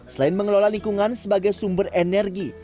selain mengelola lingkungan sebagai sumber energi